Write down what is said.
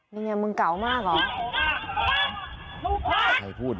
นี่ไงมึงเก่ามากเหรอ